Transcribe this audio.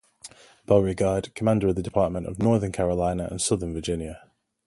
Beauregard, commander of the Department of North Carolina and Southern Virginia.